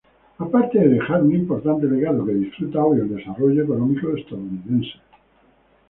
Aparte de dejar un importante legado que disfruta hoy el desarrollo económico estadounidense.